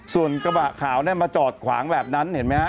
ส่วนกระบะขาวมาจอดขวางแบบนั้นเห็นไหมฮะ